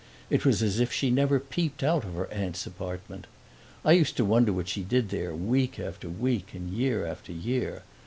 It was as if she never peeped out of her aunt's apartment. I used to wonder what she did there week after week and year after year.